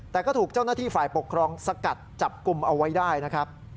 แต่ก็ถูกเจ้าหน้าที่ฝ่ายปกครองสกัดจับกลุ่มเอาไว้ได้นะครับ